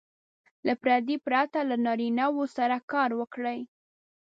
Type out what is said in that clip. له پردې پرته له نارینه وو سره کار وکړي.